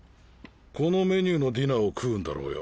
このメニューのディナーを食うんだろうよ。